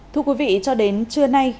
thưa quý vị cho đến trưa nay